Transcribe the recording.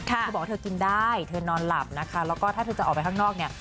เธอบอกว่าเธอกินได้เธอนอนหลับนะคะแล้วก็ถ้าเธอจะออกไปข้างนอกเนี่ย